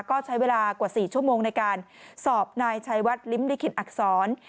ก็ใช้เวลากว่า๔ชั่วโมงในการสอบนายชัยวัดลิ้มลิขิตอักษร